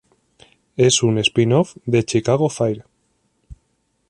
Es un spin-off de "Chicago Fire".